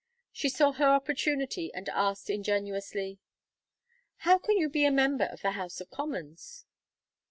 She saw her opportunity and asked, ingenuously: "How can you be a member of the House of Commons?"